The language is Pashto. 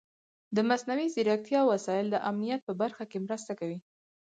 د مصنوعي ځیرکتیا وسایل د امنیت په برخه کې مرسته کوي.